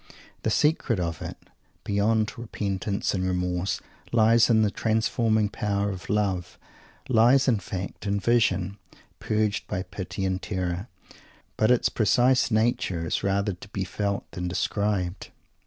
The secret of it, beyond repentance and remorse, lies in the transforming power of "love;" lies, in fact, in "vision" purged by pity and terror; but its precise nature is rather to be felt than described.